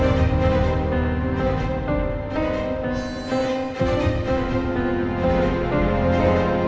adalah hasil hubungan elsa